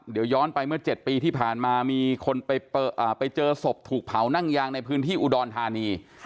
เดี๋ยวย้อนไปเมื่อ๗ปีที่ผ่านมามีคนไปเจอศพถูกเผานั่งยางในพื้นที่อุดรธานี